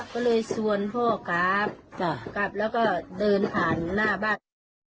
ก็เลยชวนพ่อกลับแล้วก็เดินผ่านหน้าบ้าน